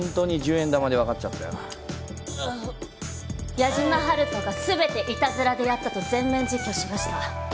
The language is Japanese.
矢島ハルトが全ていたずらでやったと全面自供しました。